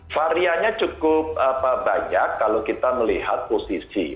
variannya cukup banyak kalau kita melihat posisi